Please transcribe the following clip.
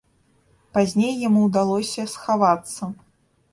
Пазней яму ўдалося схавацца.